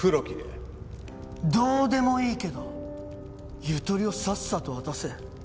どうでもいいけどゆとりをさっさと渡せ。